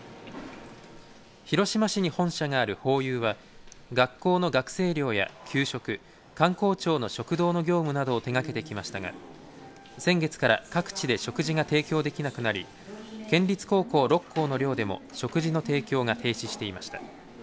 広島市に本社があるホーユーは学校の学生寮や給食官公庁の食堂の業務などを手がけてきましたが先月から各地で食事が提供できなくなり県立高校６校の寮でも食事の提供が停止していました。